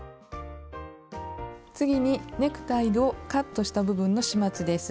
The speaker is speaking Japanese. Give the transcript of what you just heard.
次にネクタイのカットした部分の始末です。